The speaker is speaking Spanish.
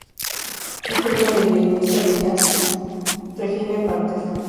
Es primo de la violinista de Jazz Regina Carter.